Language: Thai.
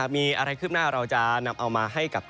มีอะไรคืบหน้าเราจะนำเอามาให้กับ